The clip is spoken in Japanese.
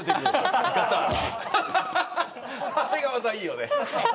あれがまたいいよね